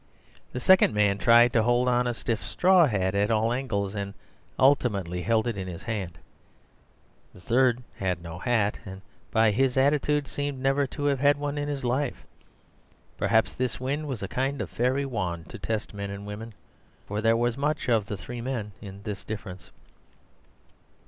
The second man tried to hold on a stiff straw hat at all angles, and ultimately held it in his hand. The third had no hat, and, by his attitude, seemed never to have had one in his life. Perhaps this wind was a kind of fairy wand to test men and women, for there was much of the three men in this difference.